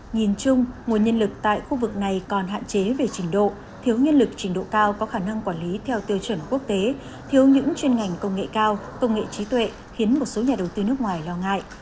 nhìn chung nguồn nhân lực tại khu vực này còn hạn chế về trình độ thiếu nhân lực trình độ cao có khả năng quản lý theo tiêu chuẩn quốc tế thiếu những chuyên ngành công nghệ cao công nghệ trí tuệ khiến một số nhà đầu tư nước ngoài lo ngại